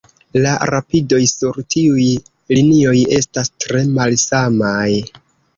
La rapidoj sur tiuj linioj estas tre malsamaj.